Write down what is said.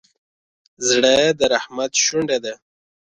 زړه د رحمت شونډه ده.